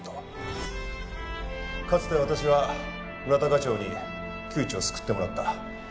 かつて私は村田課長に窮地を救ってもらった。